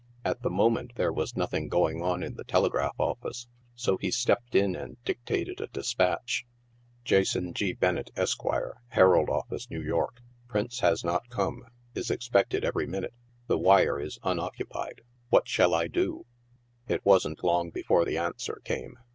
At the moment there was nothing going on in the telegraph office, so he stepped in and dictated a de spatch. Jas. G. Bennett, Esq., Herald Offlce, N. Y. " Prince has not come. Is expected every minute. The wire is uaoccuniod What shall I do ?"* It wasn't long before the answer came.